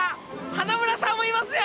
花村さんもいますよ。